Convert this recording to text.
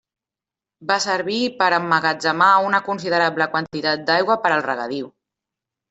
Va servir per emmagatzemar una considerable quantitat d'aigua per al regadiu.